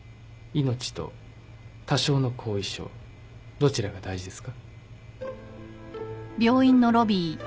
命と多少の後遺症どちらが大事ですか？